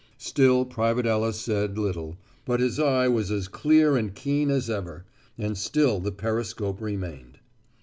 Still Private Ellis said little, but his eye was as clear and keen as ever; and still the periscope remained.